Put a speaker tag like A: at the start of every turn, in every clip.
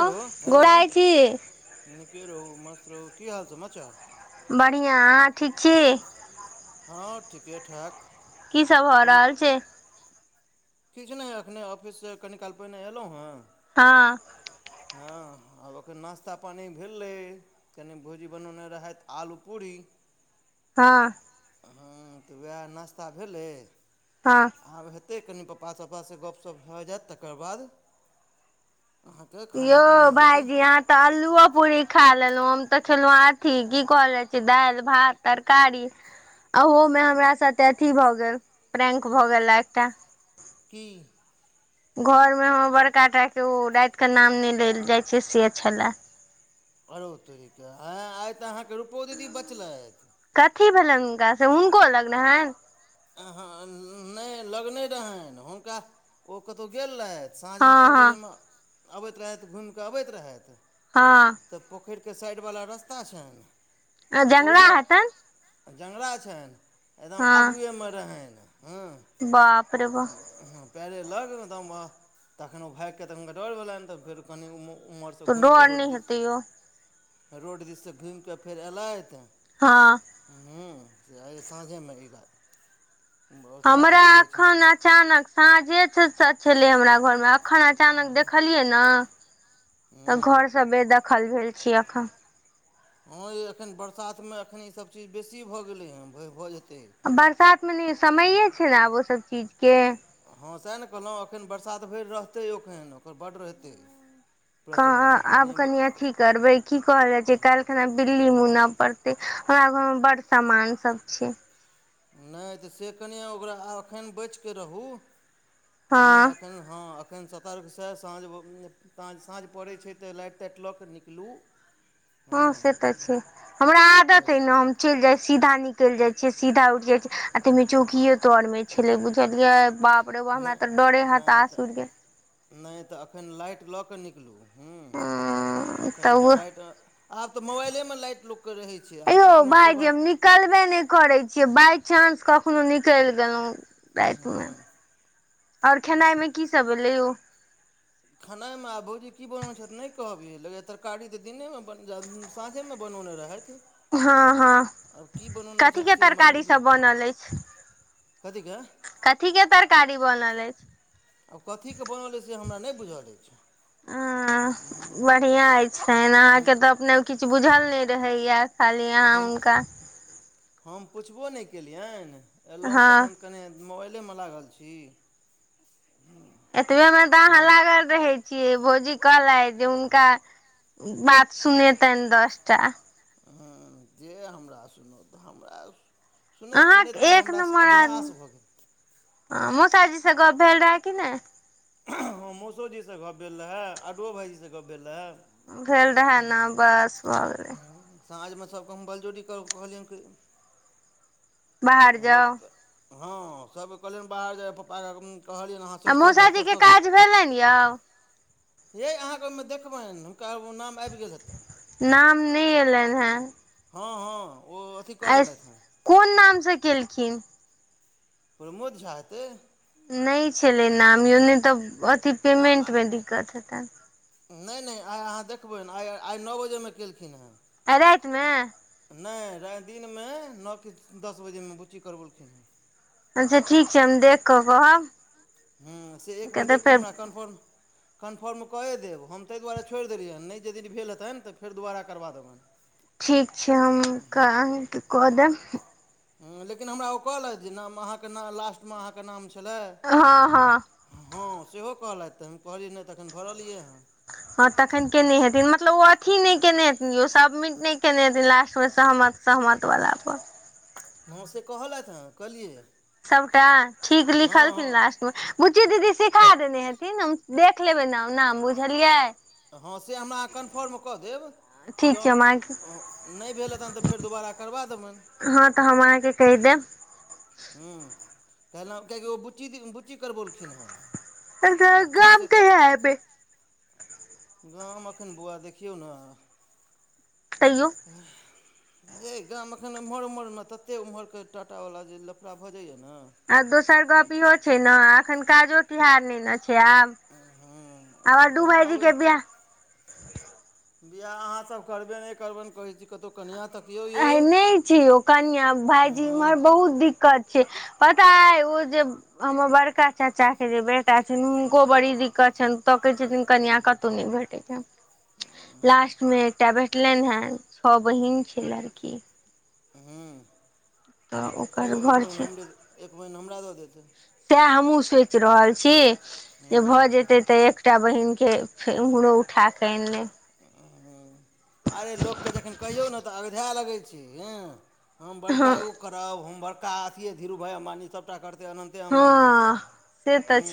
A: Hello hello
B: लागै छी
A: निके रहु, मस्त रहु की हाल समाचार।
B: बढ़ियां अहाँ ठीक छी।
A: हँ ठीके -ठाक।
B: की सब भ
A: अपन
B: रहल छय।
A: किछु नहि, एखने ऑफिस सँ कनि काल पहिने एलहुँ हे।
B: हँ
A: हँ, आब एखन नाश्ता पानि भेलै। कनि भौजी बनौने रहथि आलू पूरी।
B: हँ
A: हँ त वैह नाश्ता भेलै।
B: हँ
A: आब हेतै, कनि पप्पा सपा स गपशप भऽ जायत तकर बाद। अहाँ के खाना पीना हेतै।
B: त अलुओ पूरी खा लेलहुँ, हम तऽ खेलहुँ अथी की कहल जाइ छय, दालि भात तरकारी। अहो मे हमरा साथे अथी भऽ गेल, प्रेंक भऽ गेला एकटा।
A: कि
B: घर मे हमर बड़का टा के ओ रात के नाम नहि लेल जाय छय से छले।
A: अरो तोरीके आँय आइ तऽ अहाँके रुपौ दीदी बचलथि।
B: कथी भेलन हुनका से, हुनको लग रहेन।
A: अंह नहि लग नय रहेन, हुनका ओ कतहु गेल रहथि। साँझमे छ
B: हँ
A: बजेमे अबैत रहथि, घुमि कऽ अबैत रहथि।
B: हँ।
A: तऽ पोखरिके साइड बला रस्ता छनि
B: झगड़ा
A: ओहिमे।
B: हेतनि
A: जंगरा छनि एकदम आगुये मे रहनि हं।
B: बापरे बा।
A: पैरे लग, एकदम अ तखन ओ भागिक, तखन हुनका डर भेलनि तऽ फेर कनि उम उमर त
B: तऽ
A: घुमि कऽ
B: डर
A: रोड
B: नहि
A: दिस,
B: हेतै यौ
A: फेर रोड दिससँ घुमि कऽ फेर ऐलथ।
B: हँ।
A: ह से आय, साँझेमे ई बात हेतय, बाउसाहेब
B: हमरा
A: कहय छथिन।
B: एखन अचानक साँझे छै छलै हमरा घरमे, एखन अचानक देखलियै न तऽ
A: हँ
B: घर सब बेदखल भेल छी अखन।
A: हँ ये, एखन बरसातमे एखन ईसभ चीज बेसी भऽ गेलै हेँ, भ भऽ जेतै।
B: बरसात मे ने समये छै ने, आब ओ सब चीज के।
A: हँ सैह न कहलहुँ, एखन बरसात भरि रहतै एखन ओकर बड्ड रहतै।
B: कहऽ आब कनि अथी करबै, की कहल जाइ छै काल्हि खना बिल्ली मुनऽ पड़ते, हमरा घर मे बड सामान सब छै।
A: नहि तऽ से कनि, आ ओकरा एखन बचि क रहू। कने
B: हँ
A: एखन हँ एखन सतर्कसँ साँझ ताँ साँझ पड़ै छै तऽ लाइट टेट लक निकलू।
B: हँ से तऽ छै, हमरा आदत हइ ने हम चलि जाइ सीधा निकलि जाइ छै सीधा उठि जाय छै आ तै मे चौकिये तर में छलै बुझलियै, बाप रे बाप हमरा तऽ डरे हताश उड़ि गेल।
A: नै तऽ एखन लाइट लऽ कऽ निकलु, हुं।
B: हँ
A: एखन
B: तऽ
A: एकटा राइत मे, आब तऽ मोबाइलेमे लाइट लोकके रहै छै, आब तऽ कोनो से बात
B: कलबे नहि करै छियै, बाइ चांस कखनो निकलि गेलहुँ। रातिमे,
A: खानामे
B: और खेनाइ मे की सब भेलै यौ?
A: खेनाइमे आ भौजी की बनेने छथि नहि कहब यै, लगैये तरकारी तऽ दिनेमे बनेलखिन साँझेमे बनौने रहथि।
B: हँ हँ
A: आब की बनौने
B: कथी के
A: छथि से हमरा
B: तरकारी
A: नहि
B: सब
A: बुझल
B: बनल अछि
A: कथिके
B: कथी के तरकारी बनल अछि।
A: आब कथीके बनल अइ से हमरा नहि बुझल अछि।
B: हं बढ़ियाँ अछि,
A: हम
B: अहाँके तऽ अपने किछु बुझल नहि रहैये।
A: हम हम पुछबो नहि केलियनि एलहुँ
B: हँ
A: तखैन कनि मोबाइलेमे लागल छी
B: एतबे मे त अहां लागल रहै छियै, भौजी कहलैथ जे हुनका बात सुनेतनि दसटा।
A: हं, जे हमरा सुनौत, हमरा सुनैत
B: अहाँ
A: सुनैत आब
B: एक
A: हमरा अभ्यास भऽ गेल।
B: अहां के ककाजी से गप भेल रहे कि नै।
A: हँ मौसोजीसे गप भेल रहे आडुओ भायइजीसे गप भेल रहे।
B: भेल रहै ने बस भ गेलै।
A: हूँ, साँझमे सबके हम बलजोरी करऽ कहलिअनि कि
B: बाहर
A: गप
B: जाउ
A: के। हँ, सबके कहलियनि बाहर जाय पापा के जाय ले कहलियनि हं।
B: आ मौसाजीके काज भेलनि यौ।
A: यै अहाँके ओहिमे देखबनि हुनका ओ नाम आबि गेल हेतनि।
B: नाम नै एलनि हेँ।
A: हां हां ओ अथि कऽ
B: आइ
A: देलथि हें।
B: कोन नामसे केलखिन।
A: प्रमोद झा हेतै।
B: नै छलै नाम यौ नै तऽ अथि पेमेंटमे दिकत हेतैन।
A: नै नै आइ अहाँ देखबैन आइ आइ नौ बजेमे केलखिन हें।
B: आइ राइतमे?
A: नै राइत दिनमे नौ की दस बजेमे बुच्ची करबेलखिन हें।
B: अच्छा ठिक छै हम देख कऽ कहब।
A: हुं से एक बेर
B: कहतै
A: देखि कऽ
B: फेर
A: हमरा कन्फर्म कन्फर्म क ए देब हम तै दुआरे छोड़ि देलियैन, नै जदि भेल हेतनि तऽ फेर दोबारा करबा देबनि।
B: ठीक छै हम अहांके कऽ देब।
A: हुं लेकिन हमरा ओ कहलैथ जे नाम अहाँके नाम लास्टमे अहाँके नाम छलेहे।
B: हां हां।
A: हां सेहो कहलथि हे तऽ हम कहलियैन तखन भरलियै हं।
B: हां तखन केने हेथिन मतलब ओ अथी नै केने हेथिन यो सबमिट नै केने हेथिन लास्ट मे सहमत सहमत बला पर।
A: हां से कहलथि हैं केलियै ये।
B: सबटा ठीक लिखलखिन लास्ट- बुच्ची दीदी सिखा देने हेथिन हम देख लेबै ने ओना बुझलियै।
A: हँ से हमरा कन्फर्म कऽ देब तऽ
B: ठीक
A: जँ
B: छै हम अहाँके
A: नै भेल हैतैन तऽ फेर दोबारा करबा देबैनि।
B: हँ तऽ हम आहाँके कहि देब।
A: हूँ फेर आहाँके किएकि ओ बुच्ची दी बुच्ची करबौलखिन हेंँ।
B: [unintelligible] गांम कहिया एबै?
A: गांम एखन बौआ देखियौ नऽ।
B: तैयो
A: [unintelligible] यै गांम एखन एम्हर -ओम्हर मे तते ओम्हरकरत टाटावला जे लफड़ा भऽ जइया नऽ।
B: आ दोसर गप इहो छै ने अखन काजो तिहार नै न छै आब।
A: हँ
B: आब
A: आर
B: अडू
A: गाम
B: भइजी
A: आबै
B: के बियाह-
A: बियाह आहाँसब करबे नै करबैन न कहै छी। कतो कनिया तकियौ। यै
B: अहै नै छै यो कनिया भाइजी
A: हूँ
B: इम्हर बहुत दिक्कत- छै पता ऐ ओ जे- हमर बड़का चाचा के जे बेटा छैन हुनको बड़ी दिक्कत छैन। तकै छथिन कनिया कतो नै भेटेै छैन लास्ट मे एकटा भे- लैन हेँ छ बहिन छै लड़की-
A: हूँ
B: तऽ ओकर
A: कहियो एक
B: घर
A: बहिन हमरे एक बहिन हमरा दऽ देतै।
B: सेह हमहुँ सोइच रहल छी जे
A: हूँ
B: भऽ जेतै तऽ एक- टा बहिनके छै उम्हरो उठाकऽ आइनलेब-
A: उ हूँ अरे लोक के जखन कहियौ ने तऽ अगधे लगै छै यए। हम बड़का
B: हँ
A: ओ करब हम बड़का अथिए धीरु भाई अम्बानी सबटा करतै अनन्त- ते अय अम्बानीसँ बियाह हूँ।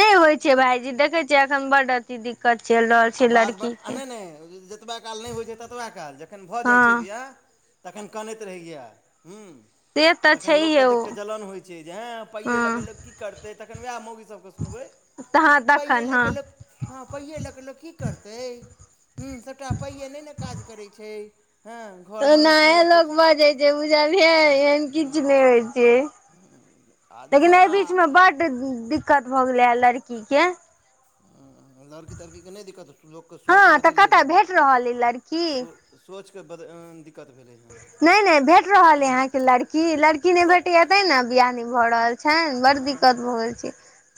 B: नै होय छै
A: हूँ
B: भायजी देखै छियै एखन बड अथी दिक्कत चैल-
A: आ बादमे आ नै नै जतबा काल नै होइ छै ततबा काल जखन भऽ जाइ छै
B: हँ
A: बियाह- तखन कनैत रहैया हूँ।
B: से तऽ
A: तखन लोक
B: छैहे
A: के
B: ओ
A: देख कऽ जलन होइ छै जे हँए पाइए लऽ
B: हँ
A: कऽ लोक की करतै तखन वएह मौगी सबके सुनबै-
B: हँ
A: पाइए
B: तखन
A: लऽ
B: हँ।
A: कऽ लोक हँ पाइए लऽ कऽ लोक की करतै। हूँ सबटा पाइए नै -नऽ काज करै छै हँ। घर मनुख नहि
B: तेनाहे
A: रहतै
B: लोक बजै छै बुझलियै एहन किछ
A: हूँ
B: नै होइ छै।
A: आ
B: लेकिन
A: जखन
B: एय
A: आ
B: बीचमे बड्ड दिक्कत भऽ गेलै हेँं लड़कीके-
A: हँ लड़की तड़की के नै दिक्कत लोक के
B: हँ
A: सोच
B: तऽ
A: बदैल
B: कतऽ
A: गेलै हेँ
B: भेट रहल अइ लड़की
A: सो सोचके बद-दिक्कत भेलै। हँ
B: नैय- नैय भेट रहल अइ आहाँके लड़ की लड़की नै भेटै
A: कत
B: या तैने बियाह नै भऽ रहल छैन बड़
A: हँ
B: दिक्कत भऽ गेल छै।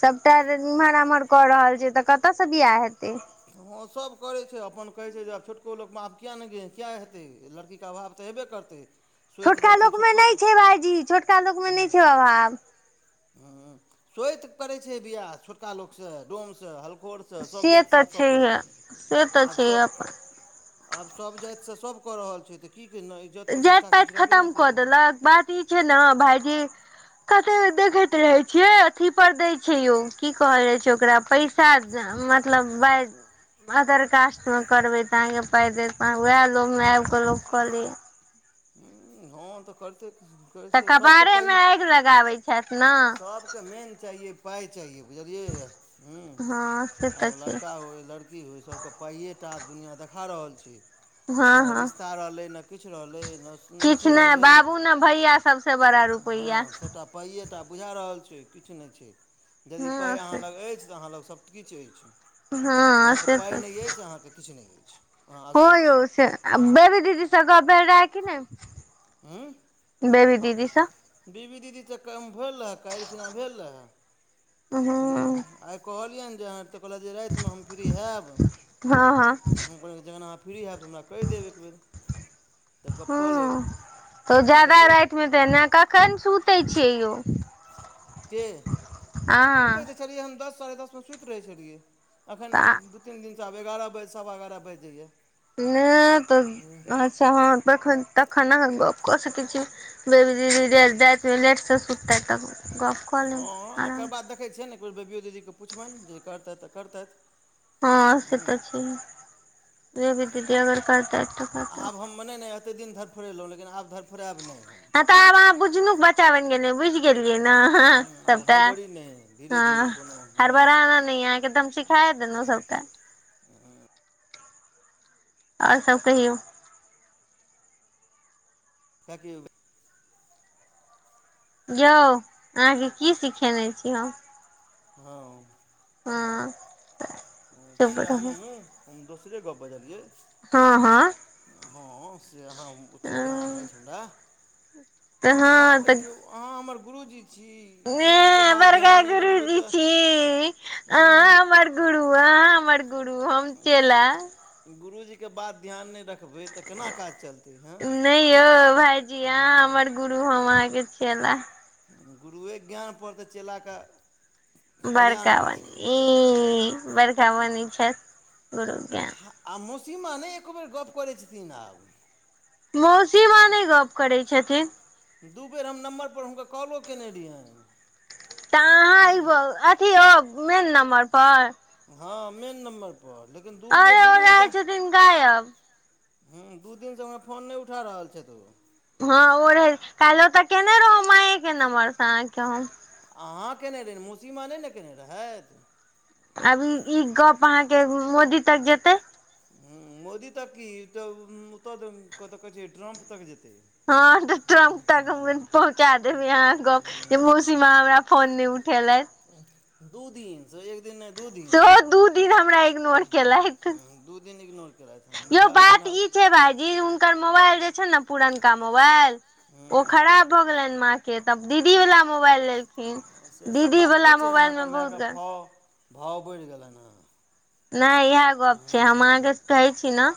B: सबटा इम्हर -आम्हर कऽ रहल छै तऽ कतऽ से बियाह हेतै।
A: हँ सब करै छै अपन कहै छै जे आब छोटको लोकमे आब किया ने गे किया हेतै लड़की- तऽ अभाव तऽ हेबे करतै। सोति
B: छोटका
A: जाइ छै
B: लोक मे
A: छोटको
B: नै छै भाइजी छोटका लोक मे नै छै अभाव।
A: हूँ सोइत करै छै बियाह छोटका लोकसँ डोमसँ हलखोरसँ। सब
B: से
A: जाइतिसँ
B: तऽ
A: आब सब करै
B: छैहे
A: छै
B: से तऽ
A: आब
B: छैहे अपन
A: सब- आब सभ जातिसँ सभ कऽ रहल छै, तऽ की नई
B: जाइत पाइत खतम कऽ देलक बात ई छै, न भाायजी कते देखैत रहे छियै, अथी पर दय छै यौ, की कह रहे छै, ओकरा पैसा चारज मतलब बइ मदर कास्टमे करबै तऽ अहाँके पाइ देत, अहाँ ओएह लोभमे आएब कऽ लोक कऽ लैए।
A: ह हँ तऽ करिते -
B: तऽ
A: करिते सभके
B: कपारे मे
A: पई
B: आगि लगाबै छएथ न।
A: सभके मेन चाहियै पाइ चाहिए बुझलियै हुं
B: हँ से तऽ
A: आब
B: छै
A: लड़का होइ लड़की होइ सबक पाईऐ टा आब दुनिया देखा रहल छय,
B: हँ
A: ना
B: हँ
A: रिसता रहलै। न किछ रहलें ना अथि
B: किछु नहि बाबू
A: रहलें
B: ने भैया सबसे बड़ा
A: [inaudible] हँ
B: रुपैया
A: सबटा पाइए टा बुझा रहल छै, किछु नै छै, यदि पाइ
B: हँ
A: अहाँ
B: से
A: लग अईछ तऽ अहाँ लग सभ किछ अइछ
B: हँ
A: अहाँके
B: से
A: पाइ नैअईछ अहाँके किछु ननै अइछ।
B: हं यो से बेबी दीदी स गप्प भेल रहे कि ने।
A: हँ
B: बेबी दीदी स
A: बीबी दीदी स कम भेल रहै, काल्हिखिनना भेल रहै। ह्मँ
B: हूँ
A: आइ कहलियन जे अहाँ तऽ कहलक जे राइतमे हम फ्री हयबँ,
B: हँ हँ
A: जखन अहाँ फ्री हैब तऽ हमरा कहि देब एकबेर
B: ह तऽ
A: आब
B: जादा
A: देखै
B: राइतमे तऽ ने कखन सुतै छियै यौ।
A: के
B: अहाँ
A: सुतैत तै छलियै हम दस साढ़े दसमे सुइत रहै छलियै। एखन
B: तऽ
A: दू तीन दिनसँ आब एगारह बाजि सवा एगारह बाइज जाइए।
B: नैय तऽ अच्छा हँ तखन - तखन अहा गप्प क सकई छी। बेबी दीदी जा जाइत राइत मे लेट से सुत तऽ गप कऽ
A: हँ
B: लेब
A: अकर
B: आराम
A: बाद देखै छियेन एक बे बेबियओ दीदीकेँ पुछबइन, जे करतेथ तऽ करतैथ।
B: हँ से तऽ छैहिए जे भी दीदी अगर करतै ता तऽ
A: मनै नहि एते दिन धरफोड़ेलहुँ लेकिन आब धरफोड़एब नइ हम
B: ह तऽ आब अहाँ बुझनक बच्चा बइन गेलैये बुझि गेलियै न
A: हँ आब
B: सबटा
A: हड़बड़ी नहि धीरे
B: हँ
A: धीरे कोनो हँ
B: हरबाराणा नहि अहाँकें त सिखाय देलहु सबटा,
A: [unintelligible]
B: आओर सब कहियौ।
A: [unintelligible]
B: यौ अहाँके की सिखेने छी, हम
A: हँ
B: हँ
A: हँ
B: चुप
A: से
B: रहू
A: हमहूँ हम दोसरे गप बजलियै।
B: हँ हँ
A: हँ से अहाँ ओतेक ध्यान अइछ
B: तऽ
A: हमरा।
B: हँ
A: अहाँके देखियौ अहाँ हमर गुरुजी छी।
B: ह
A: गुरुजीके बात
B: बड़का
A: ध्यान नहि रखबै
B: गुरुजी
A: तऽ
B: छी,
A: हूँ
B: अहां हमर गुरु आहाँ हमर गुरु गुरु हम चेला
A: गुरूजीके बात ध्यान नै रखबै तऽ, केना काज चलतै हँ
B: नै यौ भाईजी अहां
A: हूँ
B: हमर गुरु हम अहाँके चेला।
A: गुरुए ज्ञान पर तऽ चेला कऽ,
B: बड़का बनी ई बड़काबोने छऐथ गुरु ज्ञान।
A: आ मौसीमां नहि एको बेर गप्प करै छथिन आब।
B: मौस
A: दू बेर हम नम्बर पर हुनकर कॉलो केने रहियैन।
B: तऽ अहाँ इब अथी ओ मेन नम्बर पर
A: हँ मेन नम्बर पर, लेकिन दू बेर
B: अरे
A: दू
B: ओ
A: दिनसँ
B: रहै छथिन गायब
A: हम्म दू दिन सँ हमर फोन नहि उठा रहल छैथ ओ
B: हँ ओ रहै काइलो त केने रहौ, माऐ के नंबर स अहाँ के हम।
A: अहाँ केने रहीने, मौसीमां नहि न केने रहैथ।
B: आब ई -ई गप अहाँके मोदी तक जेतै।
A: हम्म मोदी तक की इ त ओतऽ कतऽ कहै छै, ट्रंम्प तक जेतै।
B: हँ त ट्रम्प तक पहुँचा देबै अहाँ गप जे मौसीमां हमरा फोन नहि उठेलैथ।
A: दू दिन सेहो एक दिन नहि दू दिन
B: सेहो दू दिन हमरा इग्नोर केलैथ,
A: दू दिन इग्नोर केलथि हँ
B: यौ
A: हुनका एखन
B: बात
A: आब
B: ई छै भाईजी हुनकर मोबाइल जे छैन न, पुरनका मोबाइल ओ
A: हँ
B: खराब भ गेलनि माँ के, तब दीदी बला मोबाइल लेल
A: हँ सेसब बात नहि छै, अहाँके मैए
B: बहुत
A: के
B: ग
A: फौ भौ बढ़ि गेलनि हेँ।
B: नहि यैह गप छै, हम अहाँके कहै छी न।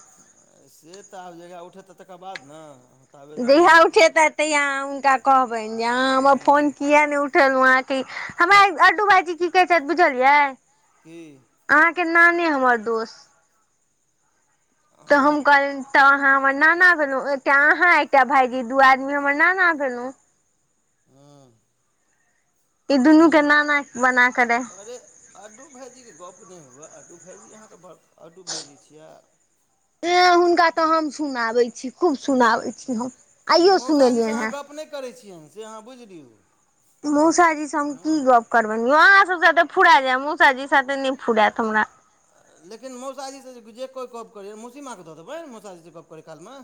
A: से तऽ आब जहिया उठेतै तकर बाद न।
B: जहिया उठेतथि तहिया अहाँ हुनका कहबनि, जे अहाँ हमर फोन
A: हँ
B: किया नहि उठ ठेलु अहाँके, हमरा अलटु भाइजी की कहै छैथ बुझलियै।
A: कि
B: अहाँके नानी हमर दोस। तऽ
A: अहाँ
B: हम कहलियैन त अहाँ हमर नाना भेलऊ, एकटा आहां एकटा भाईजी दू आदमी हमर नाना भेलऊ।
A: हँ
B: ई दुनू के
A: हँ
B: नाना बनाक रे
A: अरे अड्डू भाइजीके गप नहि हुअए, अड्डू भाइजी अहाँके बड़का अड्डू भाइजी छिया।
B: ऐं हुनका तऽ हम सुनाबैय छी, खूब सुनाबैय छी हम, आइयो सुनेलियनि हेँ।
A: गप नहि करै छियनि, से अहाँ बुझि लियौ।
B: मौसाजी से हम की
A: हँ
B: गप करबनि यौ, अहाँ सब साथे फुरा जाय यैं मौस साजी साथे नहि फुड़ैत हमरा।
A: लेकिन मौसाजी से जे कोइ गप करैं यैं मौसीमा के दऽ देबैन, मौसाजी से गप करें काल मऽ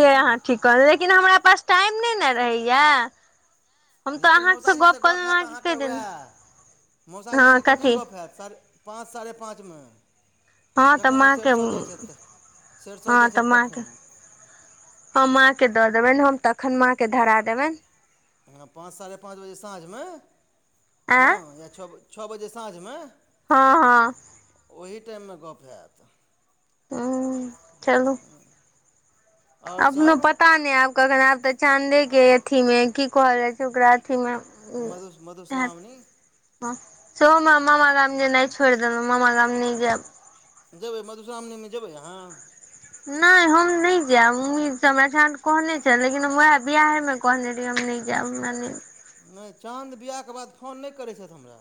A: हम्म।
B: कल लेकिन हमरा पास टाइम नहि ने रहैया।
A: लेकिन मौसाजीसऽ गप्प हैत
B: कहि
A: अहाँके
B: देने
A: वैह,
B: हँ
A: मौसाजीसऽ कखन
B: कथी
A: गप्प हैत साढें पाँच साढ़े पाँचमें।
B: हँ तऽ
A: जखन ओ
B: माँके
A: सरिसो जाइत छथि त, सरिसो
B: हँ
A: जाइत
B: तऽ
A: छथि तखन।
B: के दऽ देबनि हम, तखन माॅं के धरा देबनि।
A: हँ पाँच साढ़े पाँच बजे साँझमे
B: आँय
A: हँ, या छ बज। छ बजे साँझमे।
B: हँ - हँ ‌।
A: ओही टाइममे गप्प हैत।
B: हम्म चलू।
A: आओर
B: अपनो
A: सभ
B: पता नै आब ककरा आब तऽ चाँदे के अथी मे की कहल जाइ छै ओकरा अथी मे-
A: मधु
B: से [unintelligible]
A: मधुश्रावणी
B: हँ सेहो मामा गाम जेनाइ छो छोड़ देलो मामा गाँम नै जेएब।
A: जेबै मधुश्रावणीमे जेबै आहाँ?
B: नैय हम नैय जेएब मम्मी सब अखेन कहने छेल्लेै लेकिन हम वएह बियाहे मे- कहने रहे हम नै जेएब हमरा नै-
A: नैय चाँद बियाह के बाद फोन नै करैत छैथ हमरा।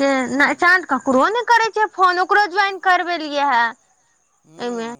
B: से नै
A: हूँ
B: चाँद ककरो नै करै छै फोन ओकरो ज्वाइन करबेलियए हे। एहिमे
A: हूँ।